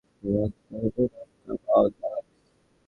Come on, Alex!